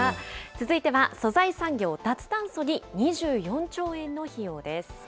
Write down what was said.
続いては素材産業、脱炭素に２４兆円の費用です。